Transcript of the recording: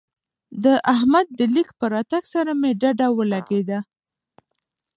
د احمد د ليک په راتګ سره مې ډډه ولګېده.